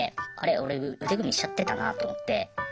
俺腕組みしちゃってたなあと思って。